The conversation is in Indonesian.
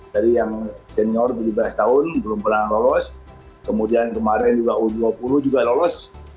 jadi yang senior tujuh belas tahun belum pernah lulus kemudian kemarin juga u dua puluh juga lulus